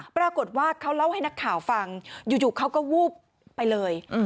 ปรากฏว่าเขาเล่าให้นักข่าวฟังอยู่เขาก็วูบไปเลย